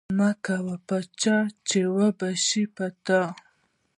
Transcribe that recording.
مکوه په چا، چي و به سي په تا